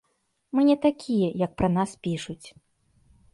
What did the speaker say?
Мы не такія, як пра нас пішуць.